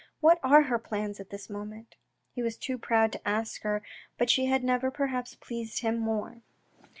"What are her plans at this moment?" He was too proud to ask her, but she had never perhaps pleased him more.